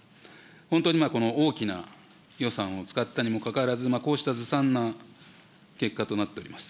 本当にこの大きな予算を使ったにもかかわらず、こうしたずさんな結果となっております。